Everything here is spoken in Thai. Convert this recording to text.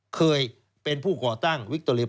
เคยเป็นผู้ก่อตั้งวิคโตเรีย